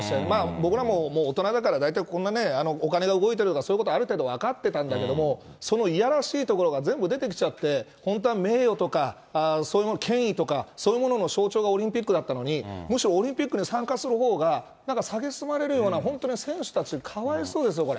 僕らも大人だからこんなね、お金が動いてるとか、そういうことはある程度分かってたんだけど、そのいやらしいところが全部出てきちゃって、本当は名誉とか、そういうもの、権威とかそういうものの象徴がオリンピックだったのに、むしろオリンピックに参加するほうがさげすまれるような、本当に選手たち、かわいそうですよ、これ。